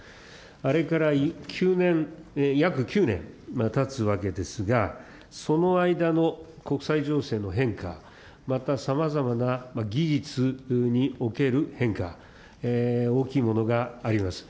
あれから９年、約９年たつわけですが、その間の国際情勢の変化、またさまざまな技術における変化、大きいものがあります。